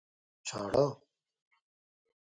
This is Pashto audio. چاړه